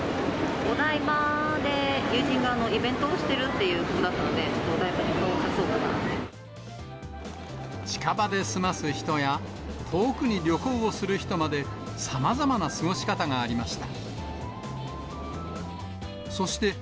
お台場で友人がイベントをしてるっていうことだったので、近場で済ます人や、遠くに旅行をする人まで、さまざまな過ごし方がありました。